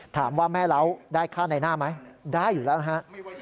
ถามว่าแม่เล้าได้ค่าในหน้าไหมได้อยู่แล้วนะฮะ